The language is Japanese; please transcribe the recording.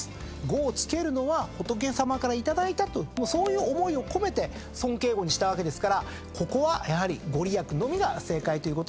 御を付けるのは仏様から頂いたとそういう思いを込めて尊敬語にしたわけですからここはやはり「ごりやく」のみが正解ということになると思います。